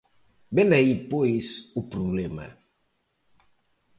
Velaí, pois, o problema.